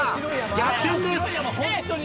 逆転です。